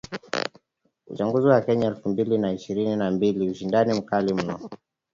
Uchaguzi wa Kenya elfu mbili na ishirini na mbili: ushindani mkali mno!!